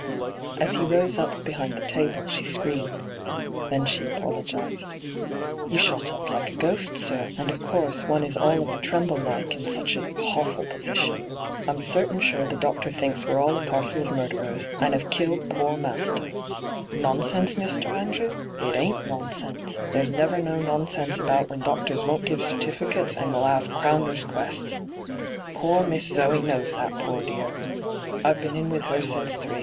As he rose up behind the table she screamed. Then she apologized. 'You shot up like a ghost, sir, and, of course, one is all of a tremble like in such a hyGoogIc 46 ENTRAPPED hawfiil poedtion. I'm certain sore the doctor thinks we're aU a parcel of murderers, and 'ave killed pore master I Nonsense, Mr. Andrew ? It ain't nonsense — there's never no nonsense about when doctors won't give certificates and will 'ave crowners' quests I Fore Miss Zoe knows that, pore dear ! I've been in with her since three.